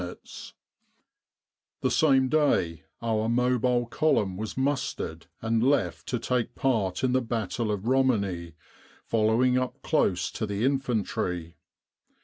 120 The Sinai Desert Campaign " The same day our Mobile Column was mustered and left to take part in the battle of Romani, follow ing up close to the infantry.